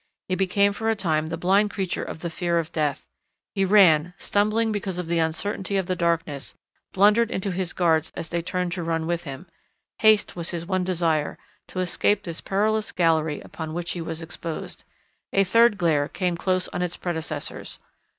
He became for a time the blind creature of the fear of death. He ran, stumbling because of the uncertainty of the darkness, blundered into his guards as they turned to run with him. Haste was his one desire, to escape this perilous gallery upon which he was exposed. A third glare came close on its predecessors.